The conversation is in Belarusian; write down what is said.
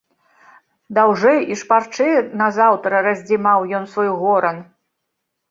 Даўжэй і шпарчэй назаўтра раздзімаў ён свой горан.